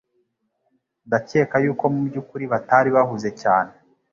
Ndakeka yuko mubyukuri batari bahuze cyane